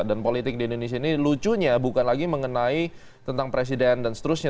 dan politik di indonesia ini lucunya bukan lagi mengenai tentang presiden dan seterusnya